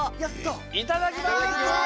いただきます。